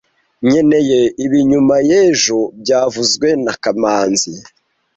Nkeneye ibi inyuma ejo byavuzwe na kamanzi